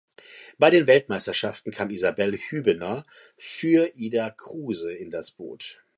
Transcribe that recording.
Bei den Weltmeisterschaften kam Isabelle Hübener für Ida Kruse in das Boot.